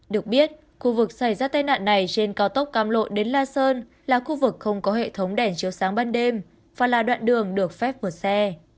được biết khu vực xảy ra tai nạn này trên cao tốc cam lộ đến la sơn là khu vực không có hệ thống đèn chiếu sáng ban đêm và là đoạn đường được phép vượt xe